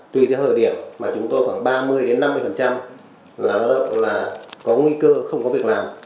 tuy thế hờ điểm mà chúng tôi khoảng ba mươi năm mươi là có nguy cơ không có việc làm